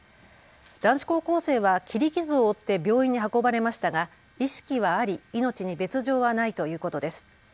男子高校生は切り傷を負って病院に運ばれましたが意識はあり命に別状はないということです。